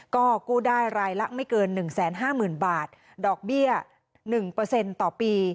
ก็กู้ได้รายละไม่เกินหนึ่งแสนห้าหมื่นบาทดอกเบี้ยหนึ่งเปอร์เซ็นต์ต่อปี